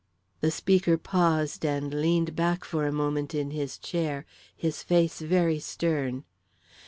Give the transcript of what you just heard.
The speaker paused and leaned back for a moment in his chair, his face very stern.